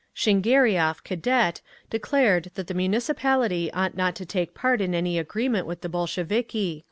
Shingariov, Cadet, declared that the Municipality ought not to take part in any agreement with the Bolsheviki….